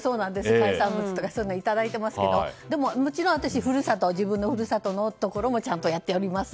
海産物とかそういうのをいただいていますがもちろん私は自分の故郷のところもちゃんとやっております。